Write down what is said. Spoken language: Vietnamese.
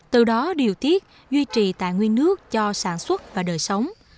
từ đó điều tiết duy trì tài nguyên nước cho sản xuất và đời sống